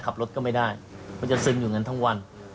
ขับรถก็ไม่ได้มันจะซึมอยู่งั้นทั้งวัน